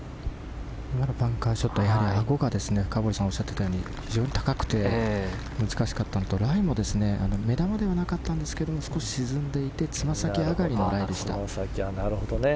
バンカーショット、アゴが深堀さんがおっしゃっていたように非常に高くて難しかったのとライも目玉ではなかったんですけど少し沈んでいてつま先上がりのライでした。